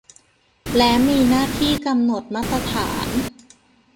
และมีหน้าที่กำหนดมาตรฐาน